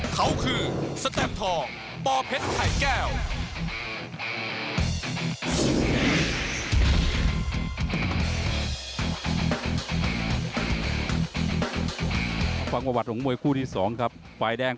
เขาคือสแตมทอง